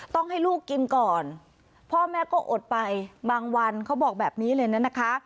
ต้องให้ลูกกินก่อนพ่อแม่ก็อดไปบางวันเขาบอกแบบนี้เลยนะคะ